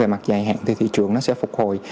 về mặt dài hạn thì thị trường nó sẽ phục hồi